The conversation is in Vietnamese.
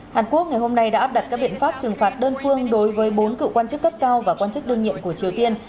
hàn quốc ngày hôm nay đã áp đặt các biện pháp trừng phạt đơn phương đối với bốn cựu quan chức cấp cao và quan chức đơn nhiệm của triều tiên